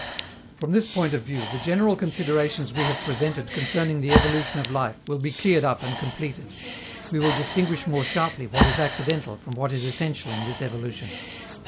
From this point of view, the general considerations we have presented concerning the evolution of life will be cleared up and completed. We will distinguish more sharply what is accidental from what is essential in this evolution.